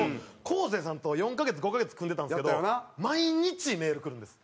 昴生さんと４カ月５カ月組んでたんですけど毎日メール来るんです。